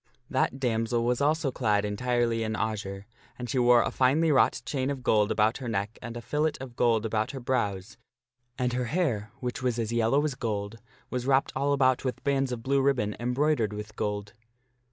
That damsel was also clad entirely in azure, and she wore a finely wrought chain of gold about her neck and a fillet of gold about her brows, and her hair, which was as yellow as gold, was wrapped all about with bands of blue ribbon embroidered with gold.